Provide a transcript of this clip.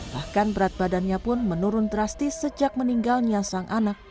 bahkan berat badannya pun menurun drastis sejak meninggalnya sang anak